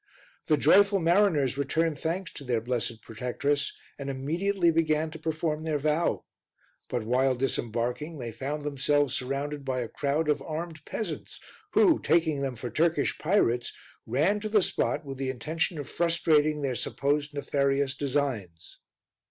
The joyful mariners returned thanks to their Blessed Protectress and immediately began to perform their vow; but while disembarking, they found themselves surrounded by a crowd of armed peasants who, taking them for Turkish pirates, ran to the spot with the intention of frustrating their supposed nefarious designs.